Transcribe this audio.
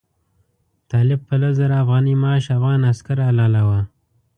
طالب په لس زره افغانۍ معاش افغان عسکر حلالاوه.